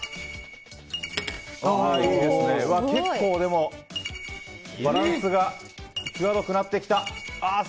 結構、バランスが際どくなってきた。